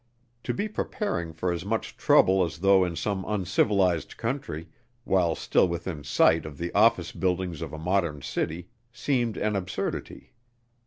To be preparing for as much trouble as though in some uncivilized country, while still within sight of the office buildings of a modern city, seemed an absurdity.